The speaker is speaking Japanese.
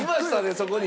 そこに。